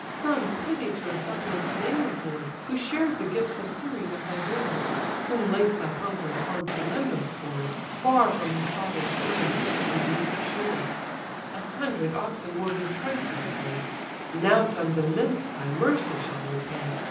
Some pity to a suppliant's name afford, Who shared the gifts of Ceres at thy board; Whom late thy conquering arm to Lemnos bore, Far from his father, friends, and native shore; A hundred oxen were his price that day, Now sums immense thy mercy shall repay.